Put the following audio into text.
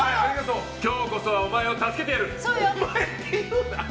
今日こそはお前を助けてやる！